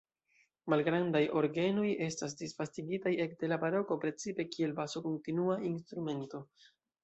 Malgrandaj orgenoj estas disvastigitaj ekde la baroko precipe kiel baso-kontinua-instrumento.